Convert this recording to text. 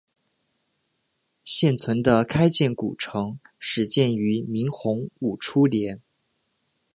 现存的开建古城始建于明洪武初年。